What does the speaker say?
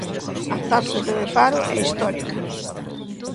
A taxa de paro é histórica.